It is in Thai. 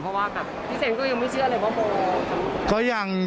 เพราะว่าพี่เซ็งก็ยังไม่เชื่ออะไรเพราะโมโม